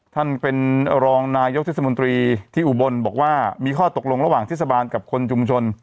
ท่านเป็นรองนายกเทศมนตรีที่อุบลบอกว่ามีข้อตกลงระหว่างเทศบาลกับคนชุมชน